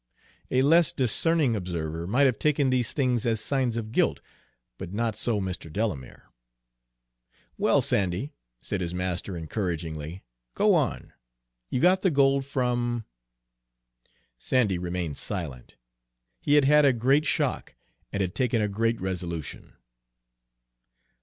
A less discerning observer might have taken these things as signs of guilt, but not so Mr. Delamere. "Well, Sandy," said his master encouragingly, "go on. You got the gold from" Sandy remained silent. He had had a great shock, and had taken a great resolution.